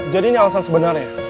jadi ini alasan sebenarnya